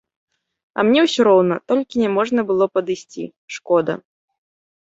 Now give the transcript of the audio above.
А мне ўсё роўна, толькі няможна было падысці — шкода»…